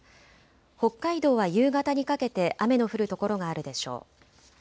北海道は夕方にかけて雨の降る所があるでしょう。